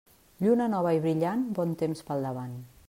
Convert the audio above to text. Lluna nova i brillant, bon temps pel davant.